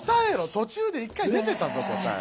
途中で一回出てたぞ答え。